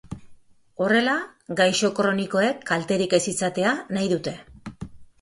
Horrela, gaixo kronikoek kalterik ez izatea nahi dute.